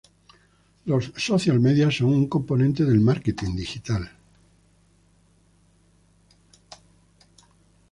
Los "social media" son un componente del marketing digital.